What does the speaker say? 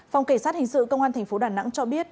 phòng cảnh sát hình sự công an tp đn cho biết